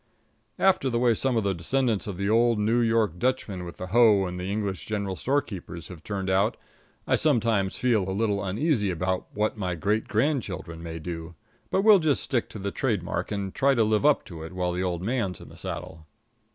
After the way some of the descendants of the old New York Dutchmen with the hoe and the English general storekeepers have turned out, I sometimes feel a little uneasy about what my great grandchildren may do, but we'll just stick to the trade mark and try to live up to it while the old man's in the saddle.